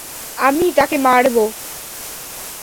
আমি-ই তাকে মারবো!